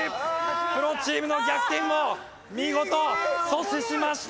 プロチームの逆転も見事阻止しました！